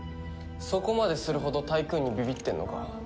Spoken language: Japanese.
そこまでするほどタイクーンにビビってんのか。